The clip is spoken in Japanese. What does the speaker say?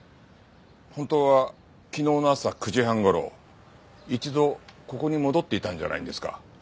本当は昨日の朝９時半頃一度ここに戻っていたんじゃないんですか？